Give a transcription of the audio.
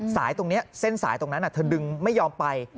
ตรงนี้เส้นสายตรงนั้นเธอดึงไม่ยอมไป